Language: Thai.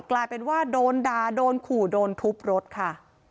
กลายเป็นว่าโดนด่าโดนขู่โดนทุบรถค่ะ